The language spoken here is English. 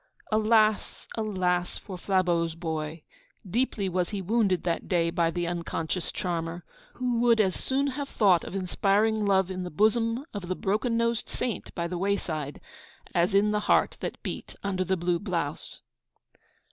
Alas, alas! for Flabeau's boy! Deeply was he wounded that day by the unconscious charmer, who would as soon have thought of inspiring love in the bosom of the broken nosed saint by the wayside as in the heart that beat under the blue blouse.